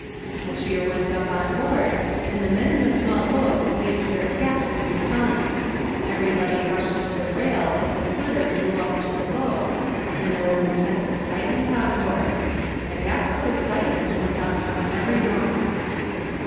A cheer went up on board and the men in the small boats waved their caps in response. Everybody rushed to the rail as the "Flitter" drew up to the boats, and there was intense excitement on board. A gasp of amazement went up from every one.